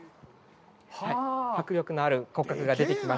迫力のある骨格が出てきました。